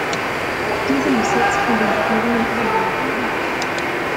Diese muss jetzt von den Regierungen übernommen werden.